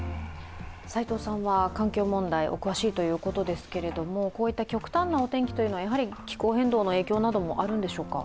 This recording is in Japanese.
斎藤さんは環境問題、お詳しいということですが、こういった極端なお天気は気候変動の影響などもあるんでしょうか？